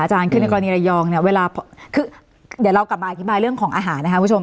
คือในกรณีระยองเนี่ยเวลาคือเดี๋ยวเรากลับมาอธิบายเรื่องของอาหารนะคะคุณผู้ชม